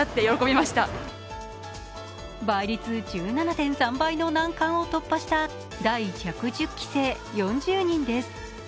倍率１７．３倍の難関を突破した第１１０期生４０人です。